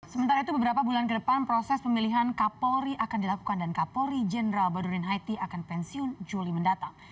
sementara itu beberapa bulan ke depan proses pemilihan kapolri akan dilakukan dan kapolri jenderal badurin haiti akan pensiun juli mendatang